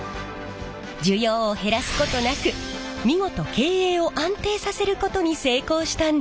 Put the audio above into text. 需要を減らすことなく見事経営を安定させることに成功したんです。